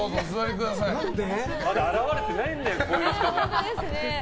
まだ現れてないんだよこういう人が。